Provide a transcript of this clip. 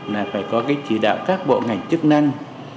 là phải có cái chỉ đạo các bộ ngành chức năng